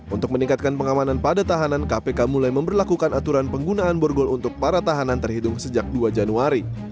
untuk meningkatkan pengamanan pada tahanan kpk mulai memperlakukan aturan penggunaan borgol untuk para tahanan terhitung sejak dua januari